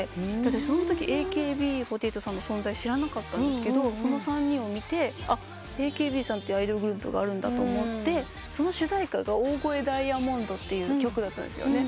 そんときＡＫＢ４８さんの存在知らなかったんですけどその３人を見てＡＫＢさんってアイドルグループがあるんだと思ってその主題歌が『大声ダイヤモンド』って曲だったんです。